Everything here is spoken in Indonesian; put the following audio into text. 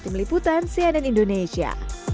meliputan cnn indonesia